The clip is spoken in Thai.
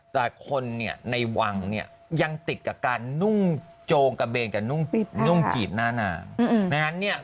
แต่คนในวังยังติดกับการนุ่งโจงกะเบนกับนุ่งจีบหน้าน้ำ